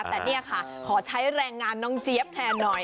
แต่นี่ค่ะขอใช้แรงงานน้องเจี๊ยบแทนหน่อย